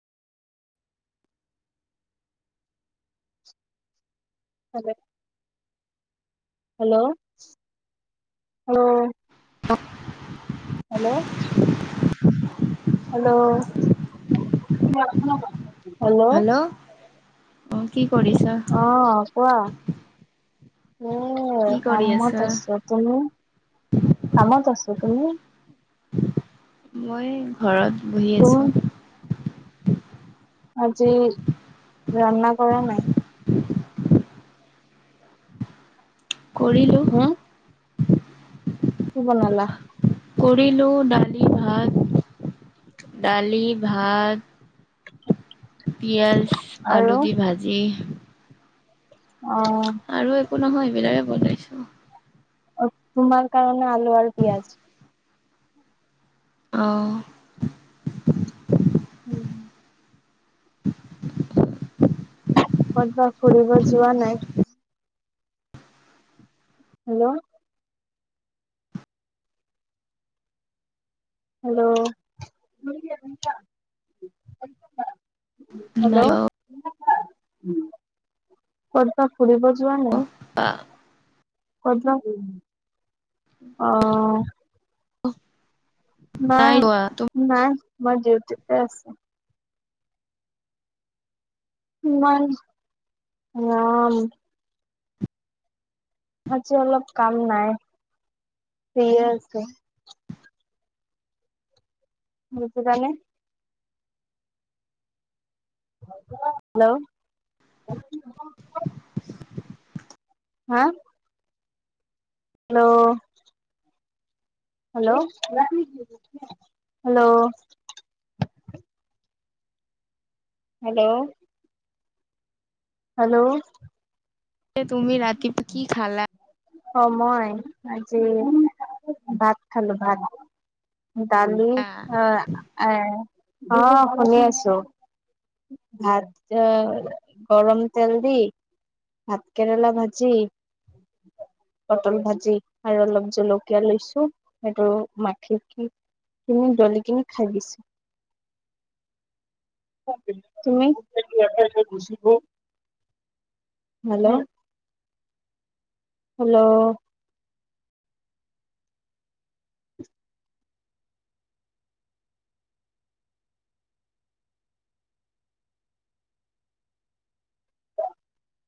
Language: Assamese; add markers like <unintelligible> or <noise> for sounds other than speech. Hello hello, hello. অ হেল্ল হেল্ল হেল্ল, অ কি কৰিছা। অ, কোৱা কি কৰি কামত আছা আছো। তুমি কামত আছো তুমি? মই ঘৰত বহি তুমি আছো। আজি ৰামনা কৰা নাই? কৰিলো। হম কি বনালা। কৰিলো দালি ভাত দালি ভাত। পিয়াজ আলু আৰু দি ভাজি। অ। আৰু একো নহয় এইবিলাক বনাইছো। অ, তোমাৰ কাৰণে আলু আৰু পিয়াঁজ। অ উম <inaudible> কতবা ফুৰিব যোৱা নাই? হেল্ল'। হেল্ল'। নাই হেল্ল' কৰবাত ফুৰিব যোৱা নে? আহ কোত যোৱা অহ <unintelligible> না নাই যোৱা তুমি নাই মই দিউটিতে আছে। ইমান <unintelligible> আজি অলপ কাম নাই, শুইয়ে আছে। বুজিলানে? হেল্ল'। হা। Hello. Hello hello hello hello তুমি ৰাতিত কি খালা? অ' মই আজি ভাত খালোঁ ভাত। দালি আহ এই অ' শুনি আছোঁ। ভাত অ' গৰম তেল দি ভাত কেৰেলা ভাজি। পটল ভাজি আৰু অলপ জলকীয়া লৈছোঁ। সেইটো মাখি কি তুমি ডলিকিনি খাই দিছোঁ। তুমি? Hello hello